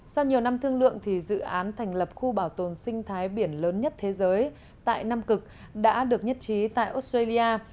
sau nhiều năm thương lượng dự án thành lập khu bảo tồn sinh thái biển lớn nhất thế giới tại nam cực đã được nhất trí tại australia